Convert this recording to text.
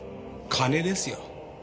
金ですよ。